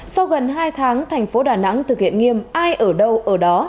sau gần hai tháng thành phố đà nẵng thực hiện nghiêm ai ở đâu ở đó